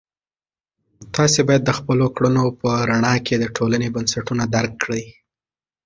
تاسې باید د خپلو کړنو په رڼا کې د ټولنې بنسټونه درک کړئ.